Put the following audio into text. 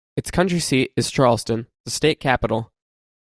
Its county seat is Charleston, the state capital.